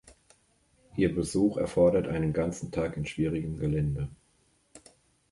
Ihr Besuch erfordert einen ganzen Tag in schwierigem Gelände.